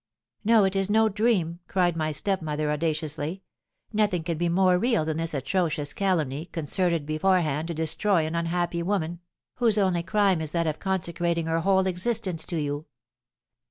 "'No, it is no dream!' cried my stepmother, audaciously; 'nothing can be more real than this atrocious calumny, concerted beforehand to destroy an unhappy woman, whose only crime is that of consecrating her whole existence to you.